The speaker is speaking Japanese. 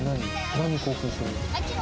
何興奮してるの？